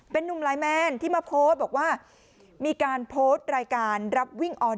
เป็นนุ่มไลน์แมนที่มาโพสต์บอกว่ามีการโพสต์รายการรับวิ่งออน